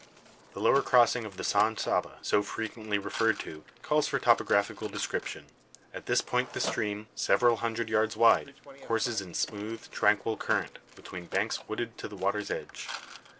The lower crossing of the San Saba, so frequently referred to, calls for topographical description. At this point the stream, several hundred yards wide, courses in smooth, tranquil current, between banks wooded to the water's edge.